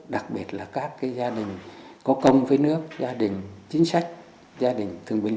đặc biệt là các cái gia đình sao làm xuất hiện nay trong đất nước đặc biệt các cái gia đình sao làm xuất hiện nay trong đất nước đặc biệt là các cái gia đình